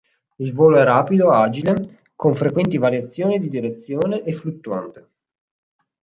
Il volo è rapido, agile con frequenti variazioni di direzione e fluttuante.